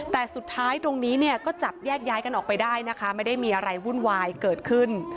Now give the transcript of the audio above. แต่สุดท้ายตรงนี้เนี่ยก็จับแยกย้ายกันออกไปได้นะคะไม่ได้มีอะไรวุ่นวายเกิดขึ้น